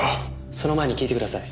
その前に聞いてください。